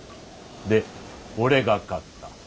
で俺が勝った。